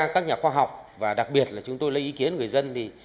các nhà khoa học và đặc biệt là chúng tôi lấy ý kiến người dân thì